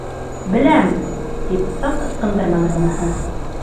-«Беләм» тип саҡ ыскындырманы быныһы.